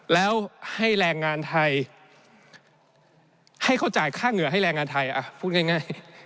แล้วให้แรงงานไทยให้เขาจ่ายค่าเหงื่อให้แรงงานไทยพูดง่าย